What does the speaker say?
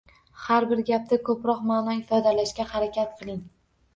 Har bir gapda ko’proq ma’no ifodalashga harakat qiling